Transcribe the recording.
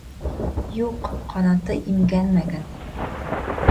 — Юҡ, ҡанаты имгәнмәгән.